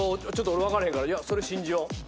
ちょっと俺分かれへんからそれ信じよう。